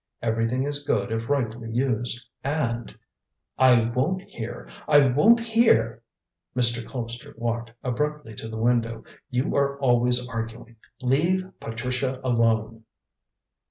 Everything is good if rightly used, and " "I won't hear; I won't hear;" Mr. Colpster walked abruptly to the window. "You are always arguing. Leave Patricia alone."